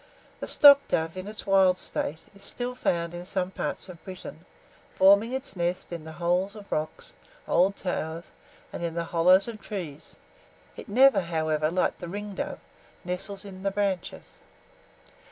The stockdove, in its wild state, is still found in some parts of Britain, forming its nest in the holes of rocks, old towers, and in the hollows of trees; it never, however, like the ringdove, nestles in the branches.